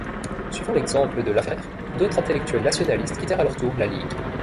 Suivant l’exemple de Laferrère, d’autres intellectuels nationalistes quittèrent à leur tour la Ligue.